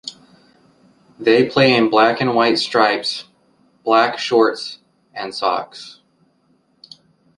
They play in black and white stripes, black shorts and socks.